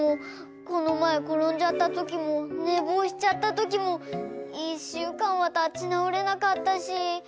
このまえころんじゃったときもねぼうしちゃったときもいっしゅうかんはたちなおれなかったし。